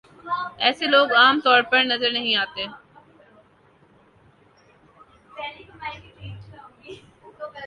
ایسے لوگ عام طور پر نظر نہیں آتے ۔